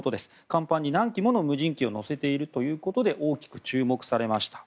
甲板に何機もの無人機を載せているということで大きく注目されました。